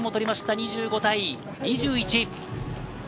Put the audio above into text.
２５対２１。